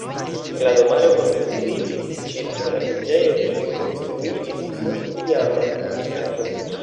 La domaro koncentriĝis ĉirkaŭ la preĝejo kiu konstruiĝis sur iama fortikaĵo.